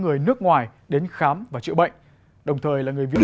người nước ngoài đến khám và chữa bệnh đồng thời là người việt